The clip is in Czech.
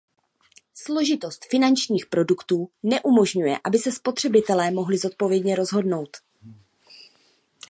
Složitost finančních produktů neumožňuje, aby se spotřebitelé mohli zodpovědně rozhodnout.